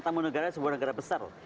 tamu negara dari sebuah negara besar